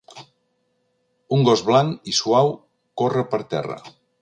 Un gos blanc i suau corre per terra.